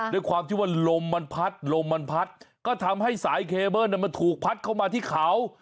ด้วยความที่ลมมันพัฒ่ก็ทำให้สายเคเบิลมันถูกพัดเข้ามาที่เขา